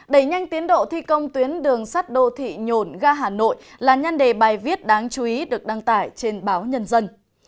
đẩy nhanh tiến độ thi công tuyến đường sắt đô thị nhổn ga hà nội là nhân đề bài viết đáng chú ý được đăng tải trên báo nhân dân